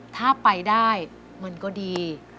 ถ้าไปได้มันก็ดี